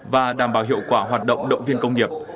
và đảm bảo hiệu quả hoạt động động viên công nghiệp